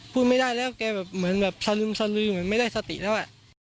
พูดไม่ได้แล้วแกแบบเหมือนแบบสลึมสลือเหมือนไม่ได้สติแล้ว